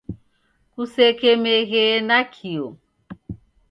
Kusekemeghee nakio.